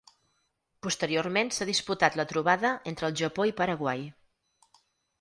Posteriorment s’ha disputat la trobada entre el Japó i Paraguai.